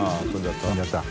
飛んじゃった。